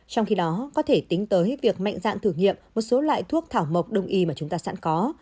trong khi đó có thể tính tới việc mạnh dạn thử nghiệm một số loại thuốc thảo mộc đông y mà chúng ta sẵn có